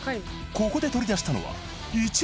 ここで取り出したのは一輪車。